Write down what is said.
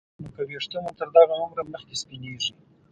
نو که ویښته مو تر دغه عمره مخکې سپینېږي